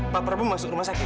pak prabowo masuk rumah sakit